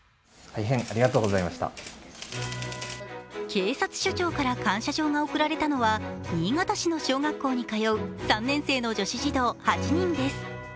警察署長から感謝状が贈られたのは新潟市の小学校に通う３年生の女子児童８人です。